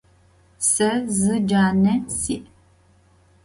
Se zı cane si'.